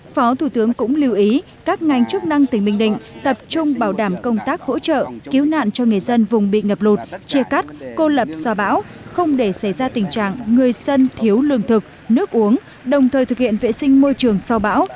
phó thủ tướng cũng lưu ý các ngành chức năng tỉnh bình định tập trung bảo đảm công tác hỗ trợ cứu nạn cho người dân vùng bị ngập lụt chia cắt cô lập xoa bão không để xảy ra tình trạng người dân thiếu lương thực nước uống đồng thời thực hiện vệ sinh môi trường sau bão